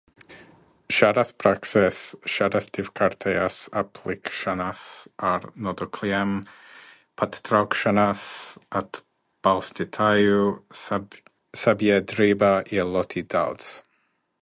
Šādas prakses, šādas divkārtējas aplikšanas ar nodokļiem, pārtraukšanas atbalstītāju sabiedrībā ir ļoti daudz.